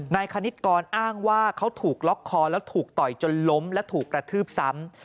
คณิตกรอ้างว่าเขาถูกล็อกคอแล้วถูกต่อยจนล้มและถูกกระทืบซ้ำ